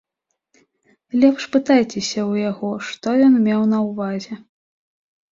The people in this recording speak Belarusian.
Лепш пытайцеся ў яго, што ён меў на ўвазе.